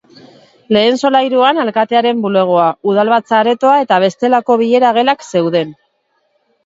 Lehen solairuan, alkatearen bulegoa, udalbatza-aretoa eta bestelako bilera gelak zeuden.